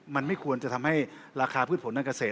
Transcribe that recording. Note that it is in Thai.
มันไม่ควรจะทำให้ราคาท่านกระเศษ